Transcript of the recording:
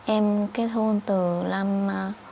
em kết hôn từ năm hai nghìn một mươi bốn